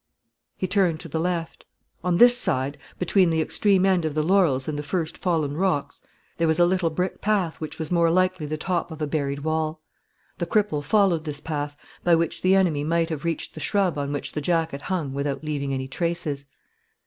He turned to the left. On this side, between the extreme end of the laurels and the first fallen rocks, there was a little brick path which was more likely the top of a buried wall. The cripple followed this path, by which the enemy might have reached the shrub on which the jacket hung without leaving any traces.